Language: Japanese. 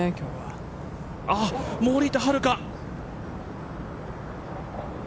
森田遥